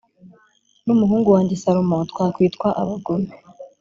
n umuhungu wanjye salomo twakwitwa abagome